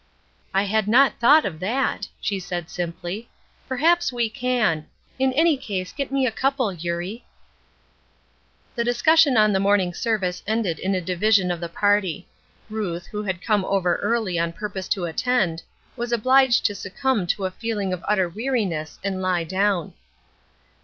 "I had not thought of that," she said, simply; "perhaps we can. In any case get me a couple, Eurie." The discussion on the morning service ended in a division of the party. Ruth, who had come over early on purpose to attend, was obliged to succumb to a feeling of utter weariness and lie down.